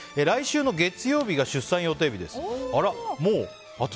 来週の月曜日が出産予定日です。